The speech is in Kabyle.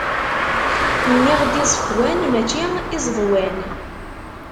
Nniɣ-d iẓekwan, mačči izeḍwan!